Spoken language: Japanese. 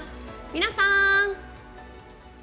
皆さん！